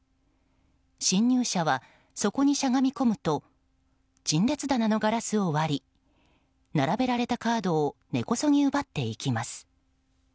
侵入者はそこにしゃがみ込むと陳列棚のガラスを割り並べられたカードを根こそぎ奪っていきます。